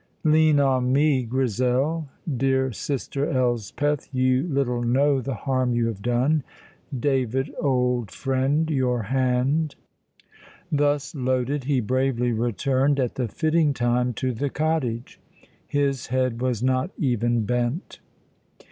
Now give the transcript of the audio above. "Lean on me, Grizel dear sister Elspeth, you little know the harm you have done David, old friend, your hand." Thus loaded, he bravely returned at the fitting time to the cottage. His head was not even bent.